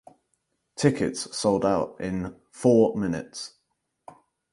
Tickets sold out in four minutes.